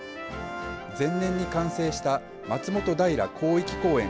前年に完成した松本平広域公園